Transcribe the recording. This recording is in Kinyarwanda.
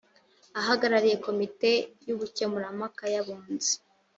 ahagarariye komite y’ubukemurampaka y’abunzi